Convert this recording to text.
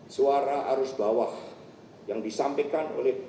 suara arus bawah yang disampaikan oleh